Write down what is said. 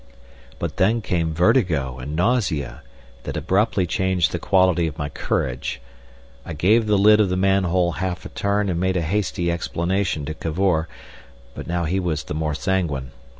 But then came vertigo and nausea that abruptly changed the quality of my courage. I gave the lid of the manhole half a turn and made a hasty explanation to Cavor; but now he was the more sanguine.